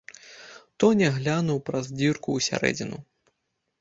Тоня глянуў праз дзірку ў сярэдзіну.